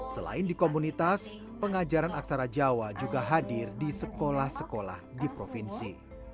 selain di komunitas pengajaran aksara jawa juga hadir di sekolah sekolah di provinsi